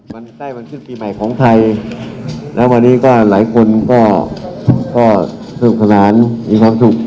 มันใกล้วันขึ้นปีใหม่ของไทยแล้ววันนี้ก็หลายคนก็สนุกสนานมีความสุข